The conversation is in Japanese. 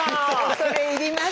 恐れ入ります。